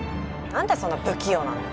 なんでそんな不器用なの？